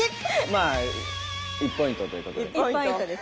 まあ１ポイントということで！